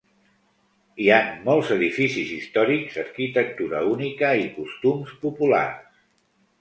Hi han molts edificis històrics, arquitectura única i costums populars.